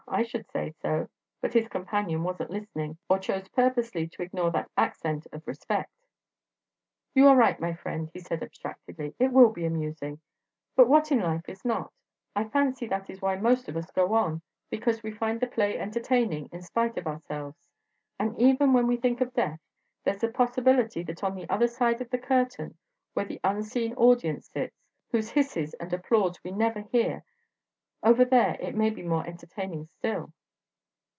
I should say so!" But his companion wasn't listening or chose purposely to ignore that accent of respect. "You are right, my friend," he said, abstractedly: "it will be amusing. But what in life is not? I fancy that is why most of us go on, because we find the play entertaining in spite of ourselves. And even when we think of Death ... there's the possibility that on the other side of the curtain, where the unseen audience sits, whose hisses and applause we never hear ... over there it may be more entertaining still!"